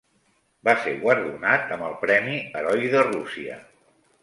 Va ser guardonat amb el premi Heroi de Rússia.